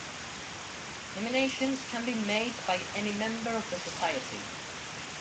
Nominations can be made by any member of the society.